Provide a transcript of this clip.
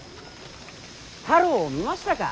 太郎を見ましたか。